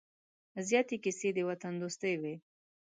زیاتې کیسې د وطن دوستۍ وې.